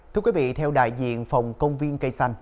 thưa quý vị theo đại diện phòng công viên cây xanh